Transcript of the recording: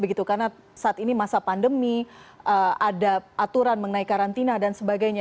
karena saat ini masa pandemi ada aturan mengenai karantina dan sebagainya